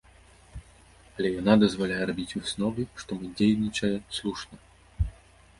Але яна дазваляе рабіць высновы, што мы дзейнічае слушна.